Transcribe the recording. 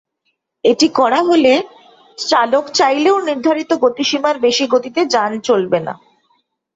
এটি করা হলে চালক চাইলেও নির্ধারিত গতিসীমার বেশি গতিতে যান চলবে না।